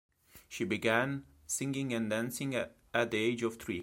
She began singing and dancing at the age of three.